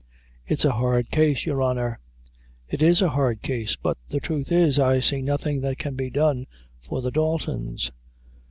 "It's a hard case, your honor." "It is a hard case; but the truth is, I see nothing that can be done for the Daltons.